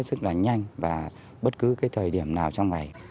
tức là nhanh và bất cứ thời điểm nào trong ngày